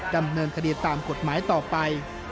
ดำเนินคดีตามกฎหมายต่อไป